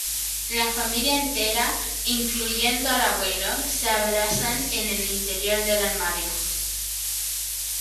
La familia entera, incluyendo al abuelo, se abrazan en el interior del armario.